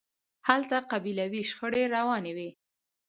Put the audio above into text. هلته قبیلوي شخړې روانې وي.